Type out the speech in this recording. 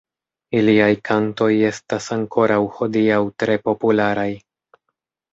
Iliaj kantoj estas ankoraŭ hodiaŭ tre popularaj.